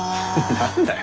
何だよ？